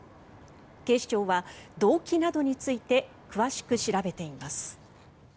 警視庁は動機などについて詳しく調べています。